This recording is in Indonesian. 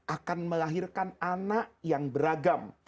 akan melahirkan anak yang beragam